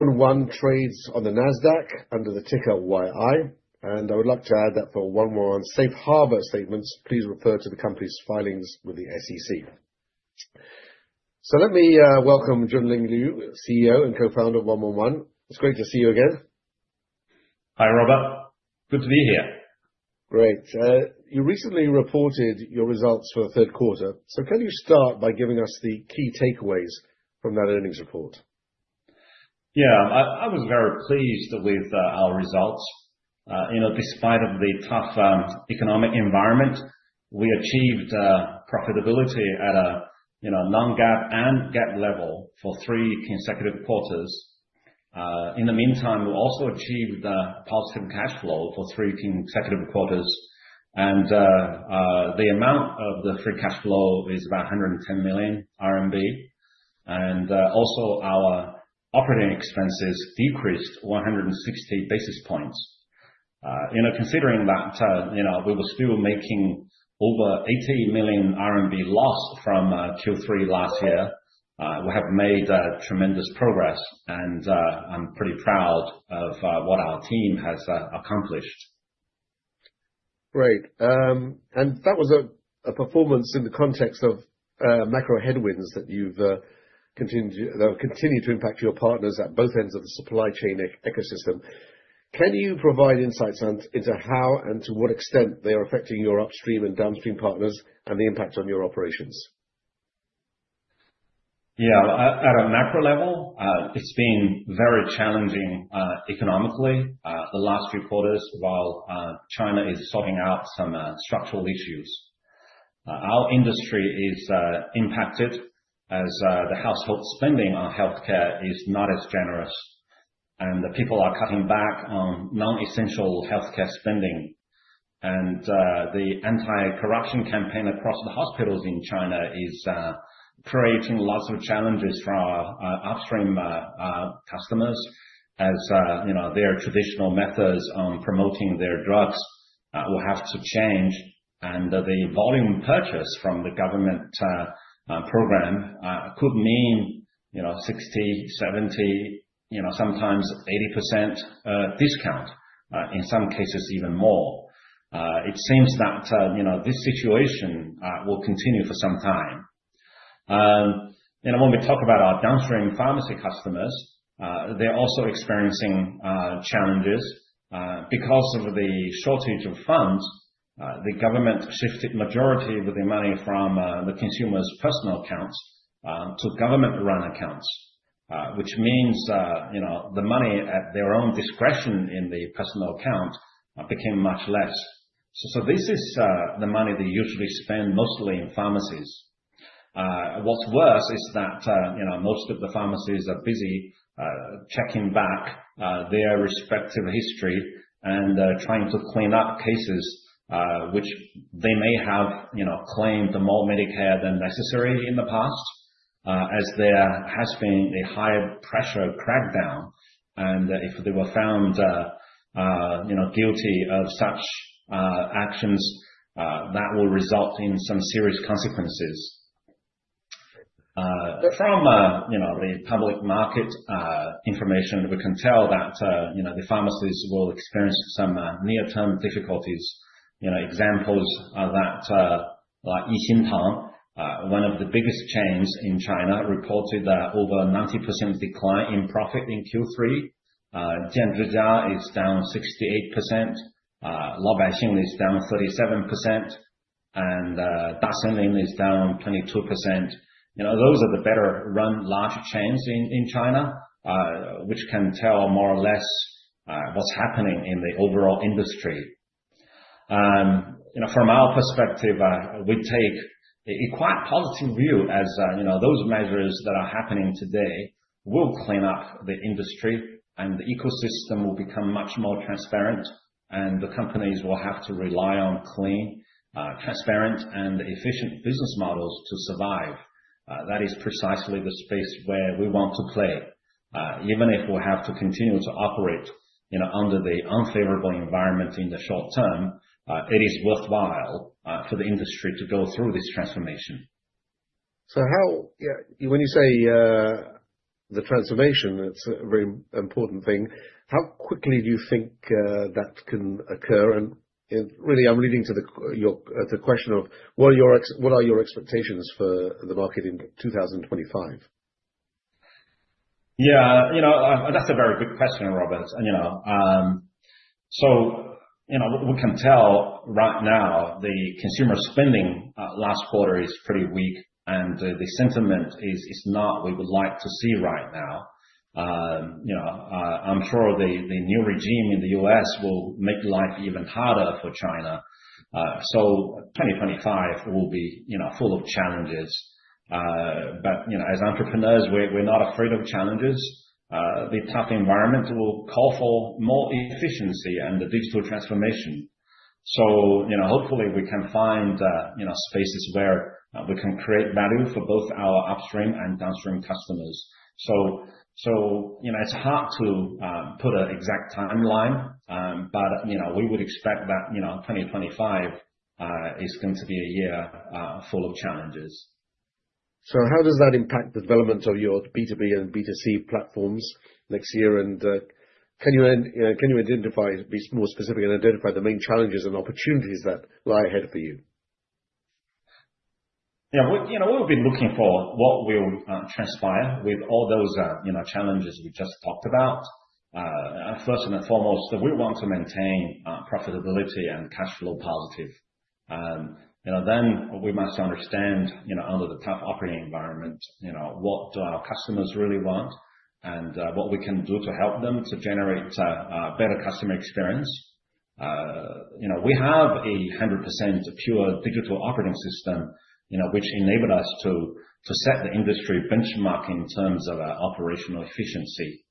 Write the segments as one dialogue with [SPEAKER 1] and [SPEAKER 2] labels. [SPEAKER 1] 111 trades on the NASDAQ under the ticker YI, and I would like to add that for 111 Safe Harbor statements, please refer to the company's filings with the SEC. So let me welcome Junling Liu, CEO and co-founder of 111. It's great to see you again.
[SPEAKER 2] Hi, Robert. Good to be here.
[SPEAKER 1] Great. You recently reported your results for the third quarter, so can you start by giving us the key takeaways from that earnings report?
[SPEAKER 2] Yeah, I was very pleased with our results. You know, despite the tough economic environment, we achieved profitability at a Non-GAAP and GAAP level for three consecutive quarters. In the meantime, we also achieved positive cash flow for three consecutive quarters, and the amount of the free cash flow is about 110 million RMB. And also, our operating expenses decreased 160 basis points. You know, considering that, you know, we were still making over 80 million RMB loss from Q3 last year, we have made tremendous progress, and I'm pretty proud of what our team has accomplished.
[SPEAKER 1] Great. And that was a performance in the context of macro headwinds that will continue to impact your partners at both ends of the supply chain ecosystem. Can you provide insights into how and to what extent they are affecting your upstream and downstream partners and the impact on your operations?
[SPEAKER 2] Yeah, at a macro level, it's been very challenging economically the last few quarters while China is sorting out some structural issues. Our industry is impacted as the household spending on healthcare is not as generous, and the people are cutting back on non-essential healthcare spending. And the anti-corruption campaign across the hospitals in China is creating lots of challenges for our upstream customers as, you know, their traditional methods on promoting their drugs will have to change. And the volume purchase from the government program could mean, you know, 60, 70, you know, sometimes 80% discount, in some cases even more. It seems that, you know, this situation will continue for some time. You know, when we talk about our downstream pharmacy customers, they're also experiencing challenges. Because of the shortage of funds, the government shifted the majority of the money from the consumers' personal accounts to government-run accounts, which means, you know, the money at their own discretion in the personal account became much less. So this is the money they usually spend mostly in pharmacies. What's worse is that, you know, most of the pharmacies are busy checking back their respective history and trying to clean up cases which they may have, you know, claimed more Medicare than necessary in the past, as there has been a high-pressure crackdown, and if they were found, you know, guilty of such actions, that will result in some serious consequences. From you know the public market information, we can tell that, you know, the pharmacies will experience some near-term difficulties. You know, examples are that, like Yixintang, one of the biggest chains in China, reported that over a 90% decline in profit in Q3. Jianzhijia is down 68%, Laobaixing is down 37%, and Dashenlin is down 22%. You know, those are the better-run larger chains in China, which can tell more or less what's happening in the overall industry. You know, from our perspective, we take a quite positive view as, you know, those measures that are happening today will clean up the industry, and the ecosystem will become much more transparent, and the companies will have to rely on clean, transparent, and efficient business models to survive. That is precisely the space where we want to play. Even if we have to continue to operate, you know, under the unfavorable environment in the short term, it is worthwhile for the industry to go through this transformation.
[SPEAKER 1] How, when you say the transformation, it's a very important thing. How quickly do you think that can occur? Really, I'm leading to your question of what are your expectations for the market in 2025?
[SPEAKER 2] Yeah, you know, that's a very good question, Robert. You know, so, you know, we can tell right now the consumer spending last quarter is pretty weak, and the sentiment is not what we would like to see right now. You know, I'm sure the new regime in the U.S. will make life even harder for China. 2025 will be, you know, full of challenges. You know, as entrepreneurs, we're not afraid of challenges. The tough environment will call for more efficiency and the digital transformation. You know, hopefully we can find, you know, spaces where we can create value for both our upstream and downstream customers. You know, it's hard to put an exact timeline, but, you know, we would expect that, you know, 2025 is going to be a year full of challenges.
[SPEAKER 1] So how does that impact the development of your B2B and B2C platforms next year? And can you identify, be more specific, and identify the main challenges and opportunities that lie ahead for you?
[SPEAKER 2] Yeah, you know, we've been looking for what will transpire with all those, you know, challenges we just talked about. First and foremost, we want to maintain profitability and cash flow positive. You know, then we must understand, you know, under the tough operating environment, you know, what do our customers really want and what we can do to help them to generate a better customer experience. You know, we have a 100% pure digital operating system, you know, which enabled us to set the industry benchmark in terms of operational efficiency.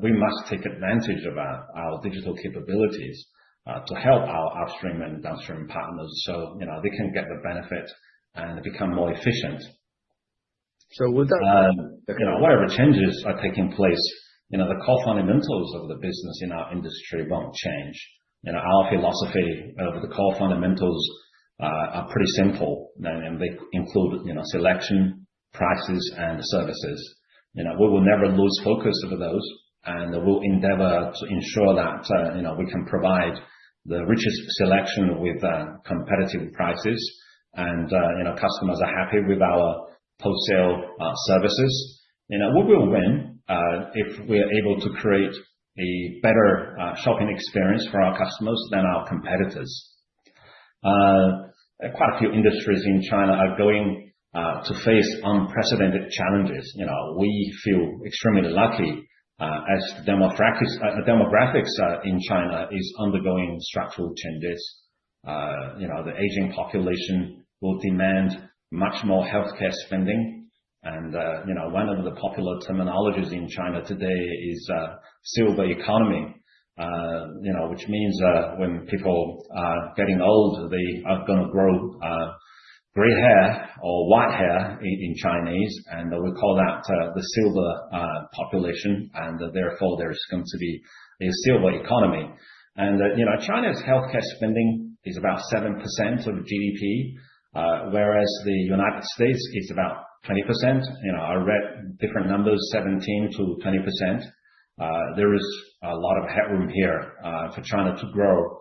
[SPEAKER 2] We must take advantage of our digital capabilities to help our upstream and downstream partners so, you know, they can get the benefit and become more efficient.
[SPEAKER 1] So with that.
[SPEAKER 2] You know, whatever changes are taking place, you know, the core fundamentals of the business in our industry won't change. You know, our philosophy of the core fundamentals are pretty simple, and they include, you know, selection, prices, and services. You know, we will never lose focus over those, and we'll endeavor to ensure that, you know, we can provide the richest selection with competitive prices, and, you know, customers are happy with our post-sale services. You know, we will win if we are able to create a better shopping experience for our customers than our competitors. Quite a few industries in China are going to face unprecedented challenges. You know, we feel extremely lucky as the demographics in China are undergoing structural changes. You know, the aging population will demand much more healthcare spending. You know, one of the popular terminologies in China today is silver economy, you know, which means when people are getting old, they are going to grow gray hair or white hair in Chinese, and we call that the silver population. And therefore, there's going to be a silver economy. You know, China's healthcare spending is about 7% of GDP, whereas the United States is about 20%. You know, I read different numbers, 17%-20%. There is a lot of headroom here for China to grow.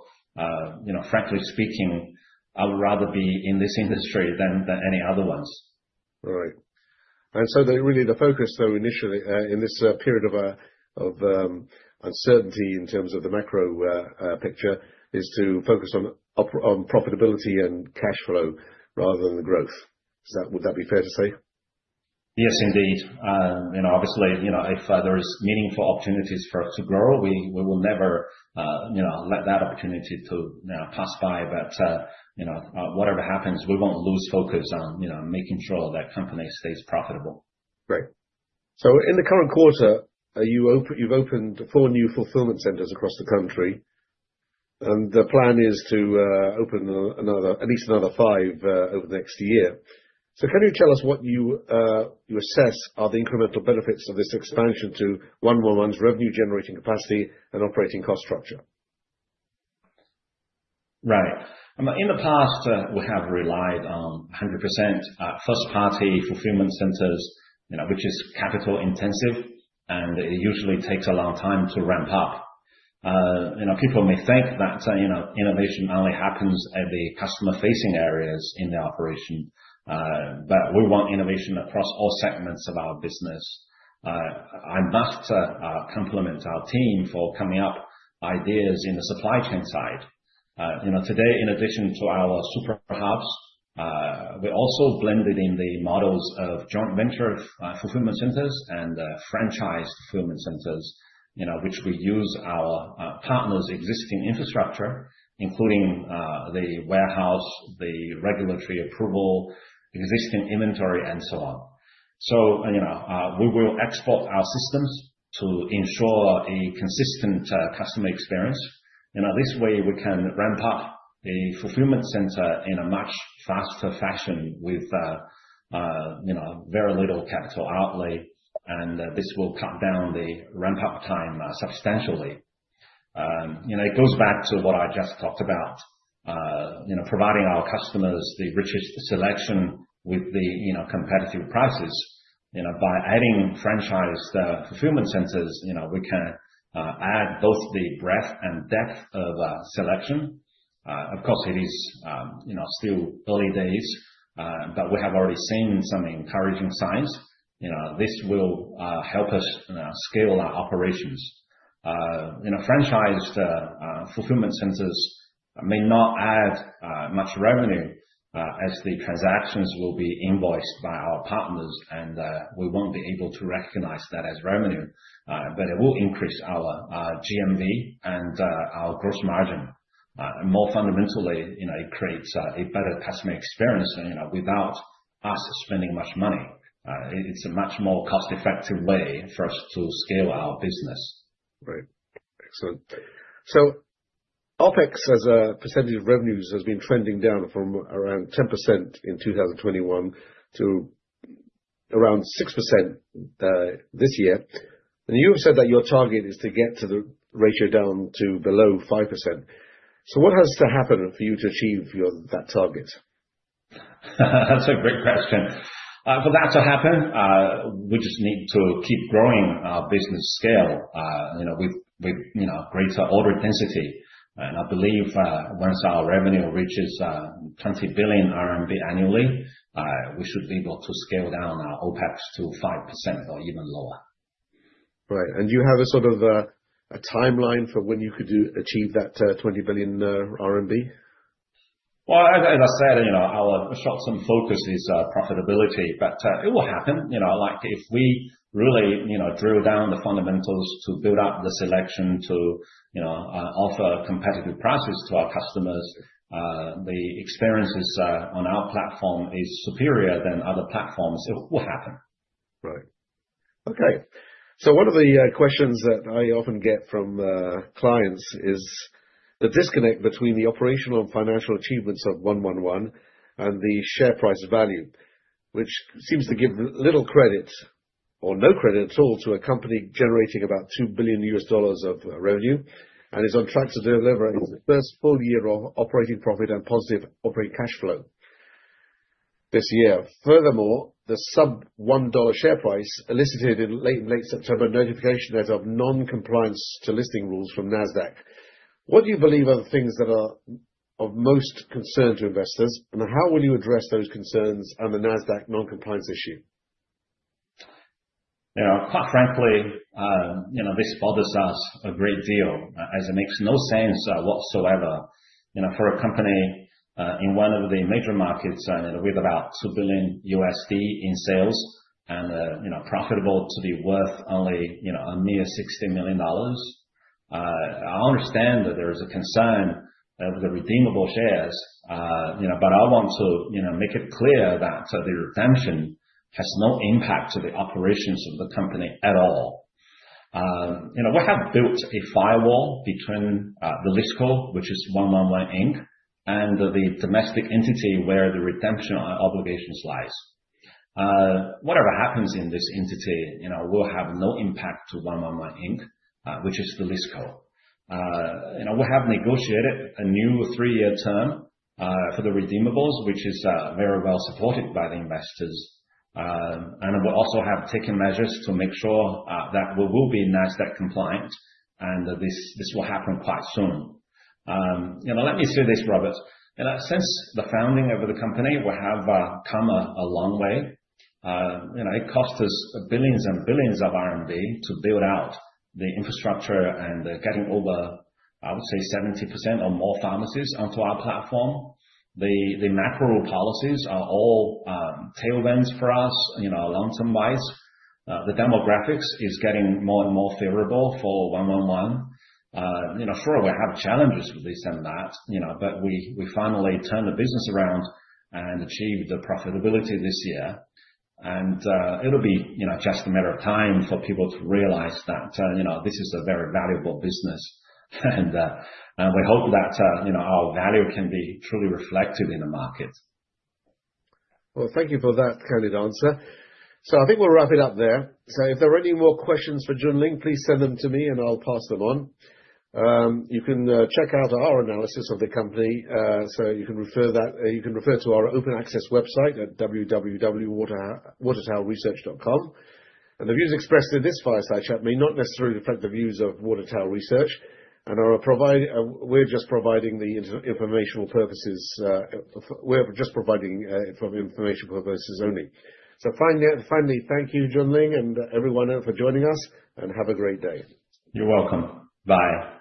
[SPEAKER 2] You know, frankly speaking, I would rather be in this industry than any other ones.
[SPEAKER 1] Right. And so really, the focus though initially in this period of uncertainty in terms of the macro picture is to focus on profitability and cash flow rather than growth. Would that be fair to say?
[SPEAKER 2] Yes, indeed. You know, obviously, you know, if there are meaningful opportunities for us to grow, we will never, you know, let that opportunity to pass by. But, you know, whatever happens, we won't lose focus on, you know, making sure that company stays profitable.
[SPEAKER 1] Right. So in the current quarter, you've opened four new fulfillment centers across the country, and the plan is to open at least another five over the next year. So can you tell us what you assess are the incremental benefits of this expansion to 111's revenue-generating capacity and operating cost structure?
[SPEAKER 2] Right. In the past, we have relied on 100% first-party fulfillment centers, you know, which is capital-intensive, and it usually takes a long time to ramp up. You know, people may think that, you know, innovation only happens at the customer-facing areas in the operation, but we want innovation across all segments of our business. I must compliment our team for coming up with ideas in the supply chain side. You know, today, in addition to our super hubs, we also blended in the models of joint venture fulfillment centers and franchise fulfillment centers, you know, which we use our partners' existing infrastructure, including the warehouse, the regulatory approval, existing inventory, and so on. So, you know, we will export our systems to ensure a consistent customer experience. You know, this way, we can ramp up a fulfillment center in a much faster fashion with, you know, very little capital outlay, and this will cut down the ramp-up time substantially. You know, it goes back to what I just talked about, you know, providing our customers the richest selection with the, you know, competitive prices. You know, by adding franchise fulfillment centers, you know, we can add both the breadth and depth of selection. Of course, it is, you know, still early days, but we have already seen some encouraging signs. You know, this will help us scale our operations. You know, franchised fulfillment centers may not add much revenue as the transactions will be invoiced by our partners, and we won't be able to recognize that as revenue, but it will increase our GMV and our gross margin. More fundamentally, you know, it creates a better customer experience, you know, without us spending much money. It's a much more cost-effective way for us to scale our business.
[SPEAKER 1] Right. Excellent. So OpEx as a % of revenues has been trending down from around 10% in 2021 to around 6% this year. And you have said that your target is to get the ratio down to below 5%. So what has to happen for you to achieve that target?
[SPEAKER 2] That's a great question. For that to happen, we just need to keep growing our business scale, you know, with, you know, greater order density. And I believe once our revenue reaches 20 billion RMB annually, we should be able to scale down our OpEx to 5% or even lower.
[SPEAKER 1] Right. And do you have a sort of a timeline for when you could achieve that 20 billion RMB?
[SPEAKER 2] As I said, you know, our short-term focus is profitability, but it will happen. You know, like if we really, you know, drill down the fundamentals to build up the selection to, you know, offer competitive prices to our customers, the experiences on our platform are superior to other platforms, it will happen.
[SPEAKER 1] Right. Okay. So one of the questions that I often get from clients is the disconnect between the operational and financial achievements of 111 and the share price value, which seems to give little credit or no credit at all to a company generating about $2 billion of revenue and is on track to deliver its first full year of operating profit and positive operating cash flow this year. Furthermore, the sub-$1 share price elicited in late September notification as of non-compliance to listing rules from NASDAQ. What do you believe are the things that are of most concern to investors, and how will you address those concerns and the NASDAQ non-compliance issue?
[SPEAKER 2] You know, quite frankly, you know, this bothers us a great deal as it makes no sense whatsoever, you know, for a company in one of the major markets with about $2 billion in sales and, you know, profitable to be worth only, you know, a mere $60 million. I understand that there is a concern of the redeemable shares, you know, but I want to, you know, make it clear that the redemption has no impact on the operations of the company at all. You know, we have built a firewall between the listco, which is 111, Inc., and the domestic entity where the redemption obligations lie. Whatever happens in this entity, you know, will have no impact on 111, Inc., which is the listco. You know, we have negotiated a new three-year term for the redeemables, which is very well supported by the investors. We also have taken measures to make sure that we will be NASDAQ compliant, and this will happen quite soon. You know, let me say this, Robert. You know, since the founding of the company, we have come a long way. You know, it cost us billions and billions of RMB to build out the infrastructure and getting over, I would say, 70% or more pharmacies onto our platform. The macro policies are all tailwinds for us, you know, long-term-wise. The demographics are getting more and more favorable for 111. You know, sure, we have challenges with this and that, you know, but we finally turned the business around and achieved profitability this year. It'll be, you know, just a matter of time for people to realize that, you know, this is a very valuable business. We hope that, you know, our value can be truly reflected in the market.
[SPEAKER 1] Thank you for that candid answer. I think we'll wrap it up there. If there are any more questions for Junling, please send them to me, and I'll pass them on. You can check out our analysis of the company, so you can refer to our open access website at www.watertowerresearch.com. The views expressed in this fireside chat may not necessarily reflect the views of Water Tower Research, and we're just providing it for informational purposes only. Finally, thank you, Junling, and everyone for joining us, and have a great day.
[SPEAKER 2] You're welcome. Bye.